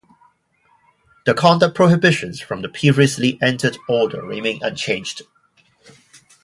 The conduct prohibitions from the previously entered order remain unchanged.